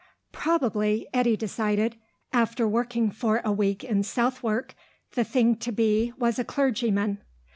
Probably, Eddy decided, after working for a week in Southwark, the thing to be was a clergyman.